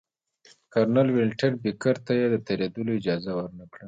کرنل ولنټین بېکر ته یې د تېرېدلو اجازه ورنه کړه.